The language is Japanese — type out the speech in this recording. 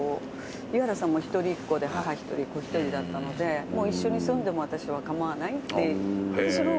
湯原さんも一人っ子で母一人子一人だったので一緒に住んでも私は構わないって私の方が言ってたので。